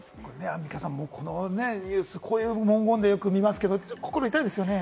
アンミカさん、このニュース、この文言で見ますけど、心痛いですよね。